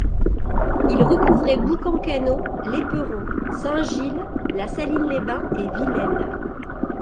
Il recouvrait Boucan Canot, L'Éperon, Saint-Gilles, La Saline-les-Bains et Villèle.